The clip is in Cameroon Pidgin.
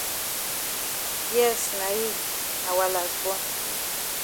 Yes na yi, na wa las bon.